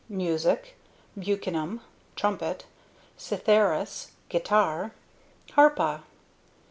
Music: Buccinum ("trumpet"), Citharas ("guitar"), Harpa.